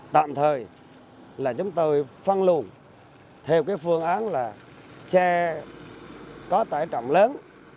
tạm thời là chúng tôi phân luồn theo cái phương án là xe có tải trọng lớn